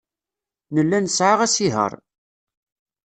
Nella nesɛa asihaṛ.